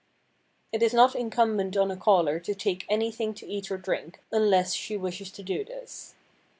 It is not incumbent on a caller to take anything to eat or drink unless she wishes to do this.